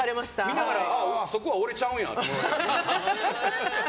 見ながらそこは俺ちゃうんやと。